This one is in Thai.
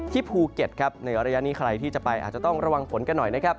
ที่ภูเก็ตในอรยัณนี้ใครที่จะไปอาจจะต้องระวังฝนกันหน่อย